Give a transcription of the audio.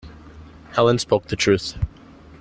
Helene spoke the truth.